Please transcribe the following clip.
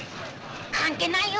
関係ないよ